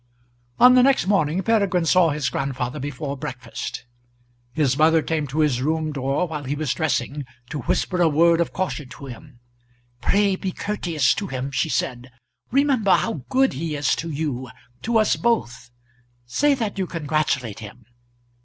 On the next morning Peregrine saw his grandfather before breakfast. His mother came to his room door while he was dressing to whisper a word of caution to him. "Pray, be courteous to him," she said. "Remember how good he is to you to us both! Say that you congratulate him."